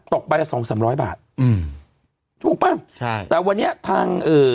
ตกใบละสองสามร้อยบาทอืมถูกป่ะใช่แต่วันนี้ทางเอ่อ